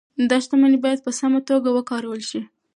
دا شتمني باید په سمه توګه وکارول شي.